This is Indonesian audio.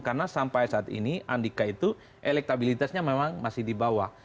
karena sampai saat ini andika itu elektabilitasnya memang masih di bawah